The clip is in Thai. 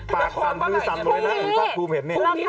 ปากซ้ำถือซ้ำลงนะอันนี้พ่าครูเห็นนี่